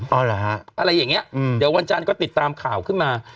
อ๋อเหรอฮะอะไรอย่างนี้เดี๋ยววันจานก็ติดตามข่าวขึ้นมา